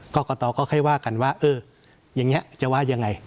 กรกตก็ค่อยว่ากันว่าเอออย่างนี้จะว่ายังไง